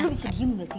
lo bisa diem gak sih